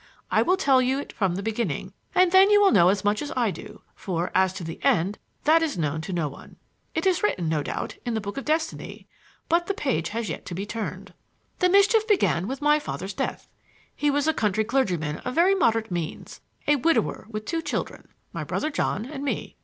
I will tell you it from the beginning, and then you will know as much as I do; for, as to the end, that is known to no one. It is written, no doubt, in the book of destiny, but the page has yet to be turned. "The mischief began with my father's death. He was a country clergyman of very moderate means, a widower with two children, my brother John and me.